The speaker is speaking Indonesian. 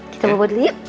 kita bobot dulu yuk